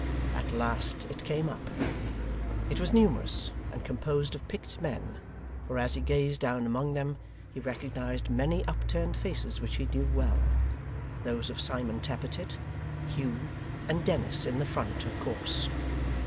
At last it came up. It was numerous, and composed of picked men; for as he gazed down among them, he recognised many upturned faces which he knew well those of Simon Tappertit, Hugh, and Dennis in the front, of course.